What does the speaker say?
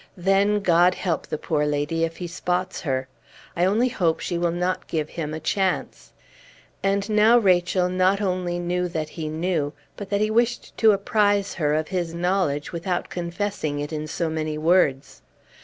Then, God help the poor lady if he spots her! I only hope she will not give him a chance." And now Rachel not only knew that he knew, but that he wished to apprise her of his knowledge without confessing it in so many words.